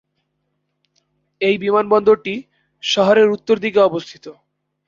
এই বিমানবন্দরটি শহরের উত্তর দিকে অবস্থিত।